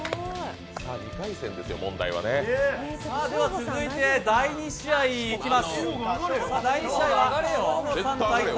続いて第２試合にいきます。